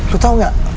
lu tau gak